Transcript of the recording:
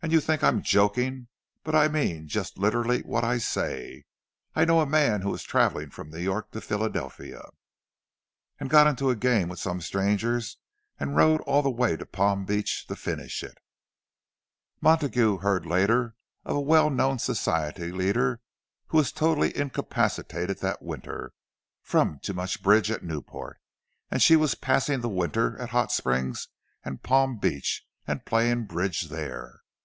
And you think I'm joking, but I mean just literally what I say. I know a man who was travelling from New York to Philadelphia, and got into a game with some strangers, and rode all the way to Palm Beach to finish it!" Montague heard later of a well known Society leader who was totally incapacitated that winter, from too much bridge at Newport; and she was passing the winter at Hot Springs and Palm Beach—and playing bridge there.